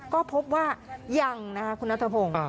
ก็พบว่ายังคุณนัทธรพงศ์